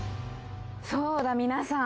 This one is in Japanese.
そうだ皆さん。